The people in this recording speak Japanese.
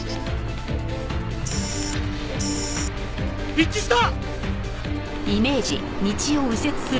一致した！